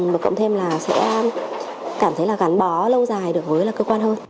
mà cộng thêm là sẽ cảm thấy là gắn bó lâu dài được với cơ quan hơn